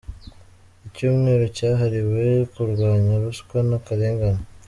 Icyumweru cyahariwe kurwanya Ruswa n’akarengane